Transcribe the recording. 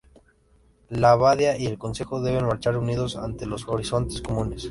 La abadía y el concejo deben marchar unidos ante los horizontes comunes.